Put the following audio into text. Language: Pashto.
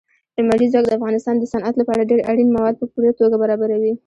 لمریز ځواک د افغانستان د صنعت لپاره ډېر اړین مواد په پوره توګه برابروي.